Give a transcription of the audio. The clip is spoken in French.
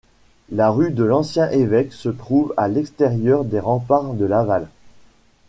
La rue de l'Ancien-Évêché se trouve à l'extérieur des remparts de Laval.